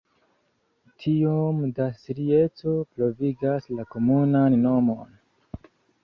Tiom da strieco pravigas la komunan nomon.